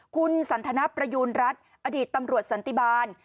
คุณสันทนประยูณรัฐอดีตตำรวจสันติบาล